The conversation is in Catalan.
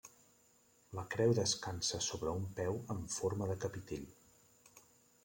La creu descansa sobre un peu en forma de capitell.